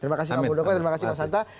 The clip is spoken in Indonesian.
terima kasih pak mudoko terima kasih mas santai